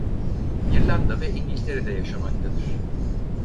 İrlanda ve İngiltere'de yaşamaktadır.